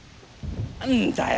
何だよ